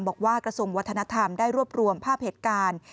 กระทรวงวัฒนธรรมได้รวบรวมภาพเหตุการณ์